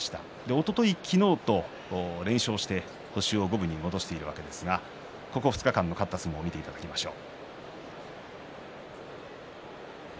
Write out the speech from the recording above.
おととい、昨日と連勝して星を五分に戻しているわけですがここ２日間の勝った相撲を見ていただきましょう。